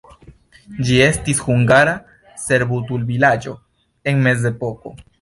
Ĝi estis hungara servutulvilaĝo en mezepoko.